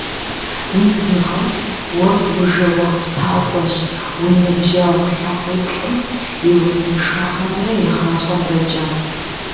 Уигу игъэлъ: уэ ужэуаптакӏуэщ уи ныбжьэгъу лъакъуиплӏым и узыншагъэмрэ и гъащӏэмрэкӏэ.